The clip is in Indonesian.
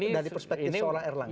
dari perspektif seorang airline